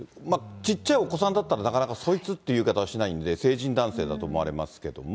ちっちゃいお子さんだったら、なかなかそいつっていう言い方はしないんで、成人男性だと思われますけれども。